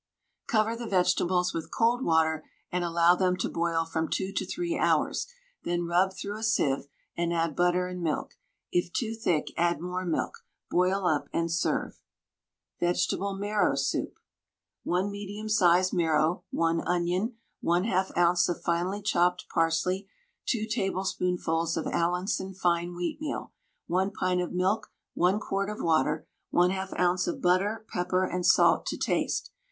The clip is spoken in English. Cover the vegetables with cold water and allow them to boil from 2 to 3 hours, then rub through a sieve and add butter and milk. It too thick, add more milk. Boil up and serve. VEGETABLE MARROW SOUP. 1 medium sized marrow, 1 onion, 1/2 oz. of finely chopped parsley, 2 tablespoonfuls of Allinson fine wheatmeal, 1 pint of milk, 1 quart of water, 1/2 oz. of butter, pepper and salt to taste.